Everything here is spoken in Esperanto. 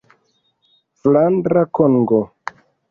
Flandra Kongo?